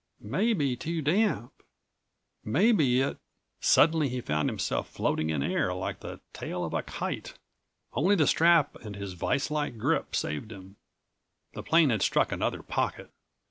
Maybe too damp. Maybe it—" Suddenly he found himself floating in air, like the tail of a kite. Only the strap and his viselike grip saved him. The plane had struck another pocket.